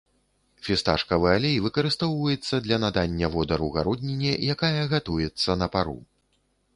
Фісташкавы алей выкарыстоўваецца для надання водару гародніне, якая гатуецца на пару.